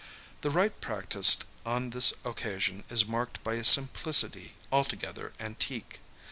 The rite practised on this occasion is marked by a simplicity altogether antique.